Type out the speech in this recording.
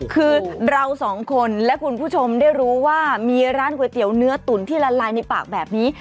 คือเราสองคนและคุณผู้ชมได้รู้ว่ามีร้านก๋วยเตี๋ยวเนื้อตุ๋นที่ละลายในปากแบบนี้